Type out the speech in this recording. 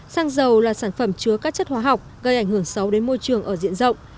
xăng dầu là sản phẩm chứa các chất hóa học gây ảnh hưởng xấu đến môi trường ở diện rộng